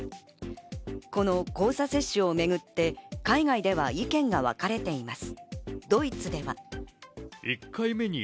この交差接種をめぐって海外では意見がわかれています。